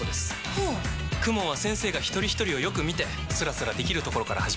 はぁＫＵＭＯＮは先生がひとりひとりをよく見てスラスラできるところから始めます。